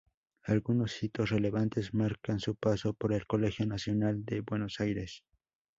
Algunos hitos relevantes marcan su paso por el Colegio Nacional de Buenos Aires.